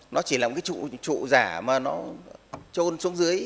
nó chỉ là một cái trụ giả mà nó trôn xuống dưới